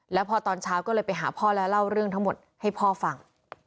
แล้วพอตอนเช้าก็เลยไปหาพ่อแล้วเล่าเรื่องทั้งหมดให้พ่อฟัง